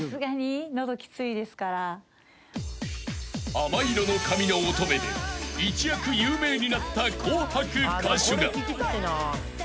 ［『亜麻色の髪の乙女』で一躍有名になった『紅白』歌手が］